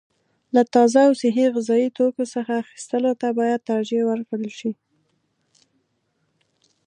له تازه او صحي غذايي توکو څخه اخیستلو ته باید ترجیح ورکړل شي.